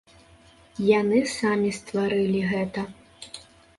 Яны самі стварылі гэта.